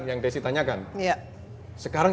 yang desy tanyakan sekarang